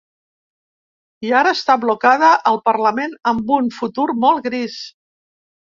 I ara està blocada al parlament amb un futur molt gris.